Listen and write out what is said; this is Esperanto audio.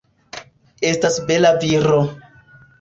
Estas bela viro.